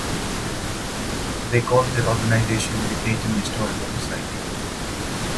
They called their organization the Dayton Historical Society.